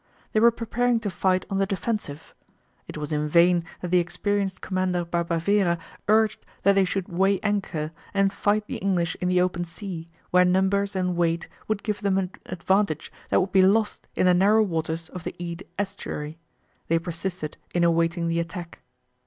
They were preparing to fight on the defensive. It was in vain that the experienced commander Barbavera urged that they should weigh anchor and fight the English in the open sea, where numbers and weight would give them an advantage that would be lost in the narrow waters of the Eede estuary. They persisted in awaiting the attack.